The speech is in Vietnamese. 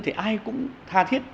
thì ai cũng tha thiết